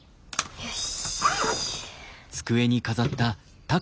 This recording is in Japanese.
よし。